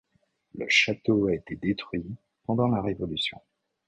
Le château a été détruit pendant la Révolution.